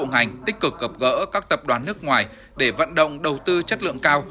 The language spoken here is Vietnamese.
các bộ ngành tích cực gập gỡ các tập đoàn nước ngoài để vận động đầu tư chất lượng cao